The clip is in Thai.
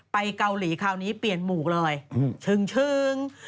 ไปเกาหลีคราวนี้เปลี่ยนหมูกเลยชึ้ง